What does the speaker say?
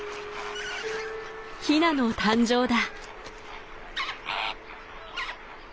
ヒナの誕生だ。